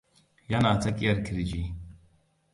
yana tsakiyar kirji